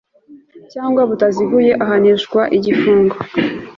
cyangwa butaziguye ahanishwa igifungo